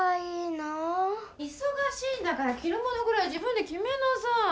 いそがしいんだからきるものぐらい自分できめなさい。